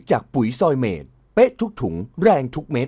ปุ๋ยซอยเมดเป๊ะทุกถุงแรงทุกเมตร